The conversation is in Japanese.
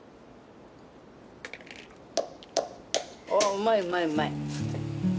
うまいうまいうまい。